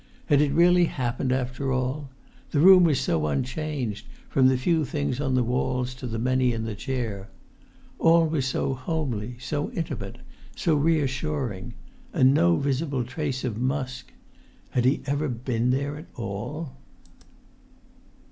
Had it really happened after all? The room was so unchanged, from the few things on the walls to the many in the chair! All was so homely, so intimate, so reassuring; and no visible trace of Musk! Had he ever been there at all?